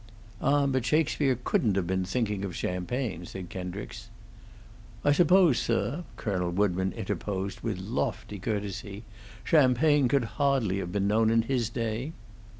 "Ah, but Shakespeare couldn't have been thinking of champagne," said Kendricks. "I suppose, sir," Colonel Woodburn interposed, with lofty courtesy, "champagne could hardly have been known in his day."